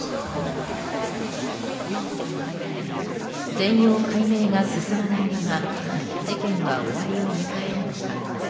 全容解明が進まないまま事件は終わりを迎えるのか。